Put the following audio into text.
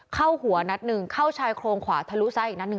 เข้าหัวนัดหนึ่งเข้าชายโครงขวาทะลุซ้ายอีกนัดหนึ่ง